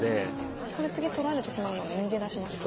これ次取られてしまうので逃げ出しますか。